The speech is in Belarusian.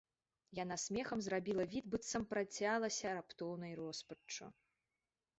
Яна смехам зрабіла від, быццам працялася раптоўнай роспаччу.